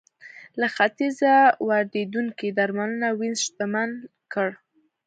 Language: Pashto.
له ختیځه واردېدونکو درملو وینز شتمن کړ